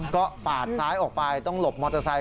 ก็ปาดซ้ายออกไปต้องหลบมอเตอร์ไซค